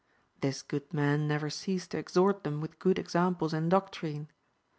This good man never ceased to exhort them with good ex amples and doctrine.